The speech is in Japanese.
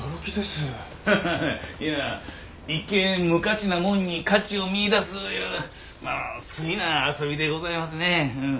ハハハいや一見無価値なものに価値を見いだすいう粋な遊びでございますね。